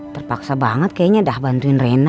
terpaksa banget kayaknya dah b kantuin reina